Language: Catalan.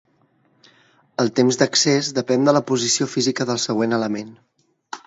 El temps d'accés depèn de la posició física del següent element.